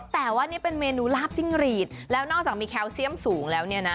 แต่ว่านี่เป็นเมนูลาบจิ้งหรีดแล้วนอกจากมีแคลเซียมสูงแล้วเนี่ยนะ